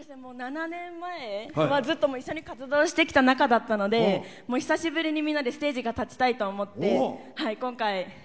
７年前は、ずっと一緒に活動してきた仲だったので久しぶりにステージに立ちたいと思って今回。